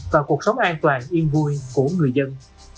và cuộc sống an toàn yên vui của người dân